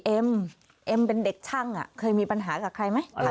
เอ็มเป็นเด็กช่างเคยมีปัญหากับใครไหม